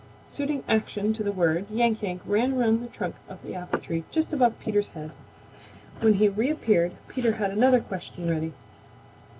Suiting action to the word, Yank Yank ran around the trunk of the apple tree just above Peter's head. When he reappeared Peter had another question ready.